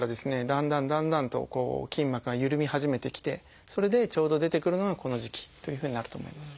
だんだんだんだんと筋膜がゆるみ始めてきてそれでちょうど出てくるのがこの時期というふうになると思います。